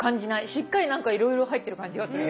しっかり何かいろいろ入ってる感じがする。